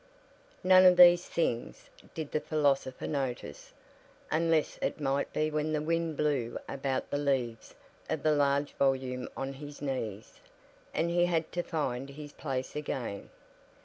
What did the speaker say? None of these things did the philosopher notice, unless it might be when the wind blew about the leaves of the large volume on his knees, and he had to find his place again.